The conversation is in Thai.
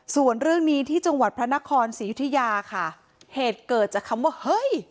ส่วนเรื่องนี้ที่จังหวัดพระนครศรียุธยาค่ะเหตุเกิดจากคำว่าเฮ้ย